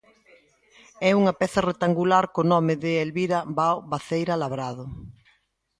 É unha peza rectangular co nome de Elvira Bao Maceira labrado.